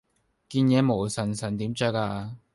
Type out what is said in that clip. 件嘢毛鬠鬠點著呀